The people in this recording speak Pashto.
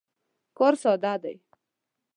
کار ساده دی.